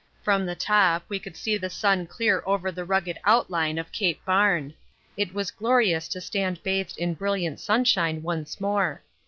From the top we could see the sun clear over the rugged outline of C. Barne. It was glorious to stand bathed in brilliant sunshine once more.